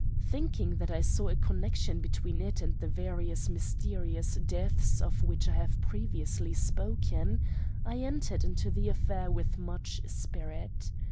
Thinking that I saw a connection between it and the various mysterious deaths of which I have previously spoken, I entered into the affair with much spirit.